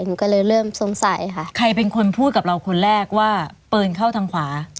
หนูก็เลยเริ่มสงสัยค่ะใครเป็นคนพูดกับเราคนแรกว่าปืนเข้าทางขวา